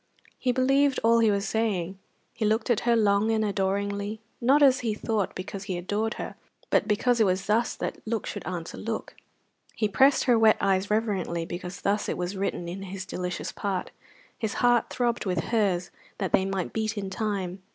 He believed all he was saying. He looked at her long and adoringly, not, as he thought, because he adored her, but because it was thus that look should answer look; he pressed her wet eyes reverently because thus it was written in his delicious part; his heart throbbed with hers that they might beat in time.